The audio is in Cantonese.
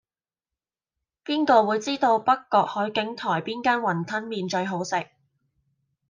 邊個會知道北角海景台邊間雲吞麵最好食